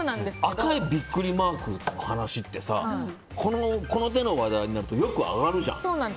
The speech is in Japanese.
赤いビックリマークの話ってこの手の話題になるとよく挙がるじゃん。